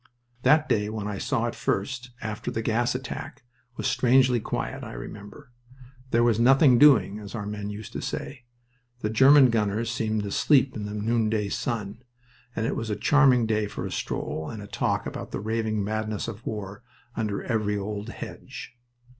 That day when I saw it first, after the gas attack, was strangely quiet, I remember. There was "nothing doing," as our men used to say. The German gunners seemed asleep in the noonday sun, and it was a charming day for a stroll and a talk about the raving madness of war under every old hedge.